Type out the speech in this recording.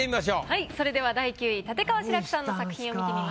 はいそれでは第９位立川志らくさんの作品を見てみましょう。